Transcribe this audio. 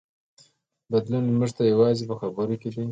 بدلون موږ ته یوازې په خبرو کې دی.